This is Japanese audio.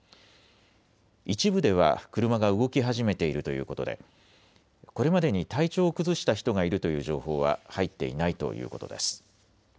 一部では車が動き始めているということでこれまでに体調を崩した人がいるという情報は入っていないということです。